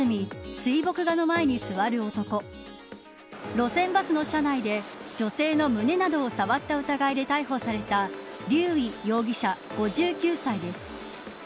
路線バスの車内で女性の胸などを触った疑いで逮捕された劉偉容疑者、５９歳です。